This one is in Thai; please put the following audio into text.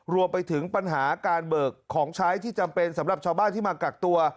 รวมไปถึงปัญหาการเบิกของใช้ที่จำเป็นสำหรับชาวบ้านที่มากักตัว